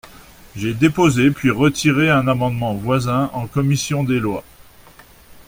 J’ai déposé puis retiré un amendement voisin en commission des lois.